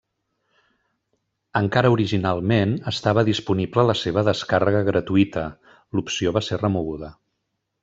Encara originalment estava disponible la seva descàrrega gratuïta, l'opció va ser remoguda.